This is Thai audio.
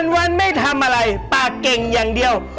วันไม่ทำอะไรปากเก่งอย่างเดียว